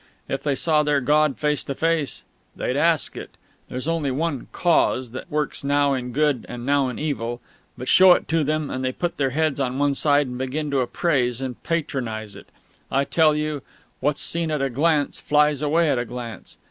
If they saw their God face to face they'd ask it!... There's only one Cause, that works now in good and now in evil, but show It to them and they put their heads on one side and begin to appraise and patronise It!... I tell you, what's seen at a glance flies away at a glance.